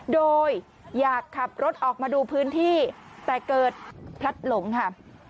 โดยอยากขับรถออกมาดูพื้นที่แต่เกิดพลัดหลงค่ะ